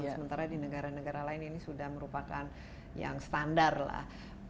sementara di negara negara lain ini sudah merupakan yang standar lah